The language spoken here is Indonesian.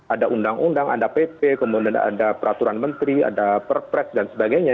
ada undang undang ada pp kemudian ada peraturan menteri ada perpres dan sebagainya